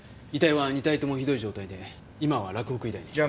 遺体は２体ともひどい状態で今は洛北医大に。